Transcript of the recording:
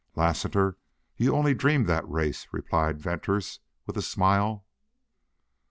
"Lassiter, you only dreamed that race," replied Venters, with a smile.